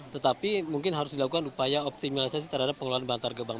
tetapi mungkin harus dilakukan upaya optimalisasi terhadap pengelolaan bantar gebang